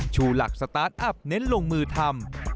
ชูหลักสตาร์ทอัพเน้นลงมือทำ